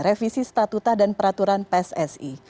revisi statuta dan peraturan pssi